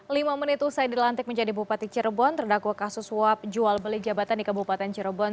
lima menit usai dilantik menjadi bupati cirebon terdakwa kasus suap jual beli jabatan di kabupaten cirebon